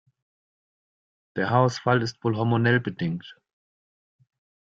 Der Haarausfall ist wohl hormonell bedingt.